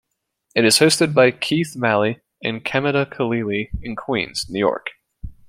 It is hosted by Keith Malley and Chemda Khalili in Queens, New York.